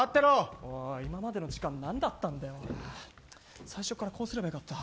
今までの時間なんだったんだよ最初からこうすればよかった。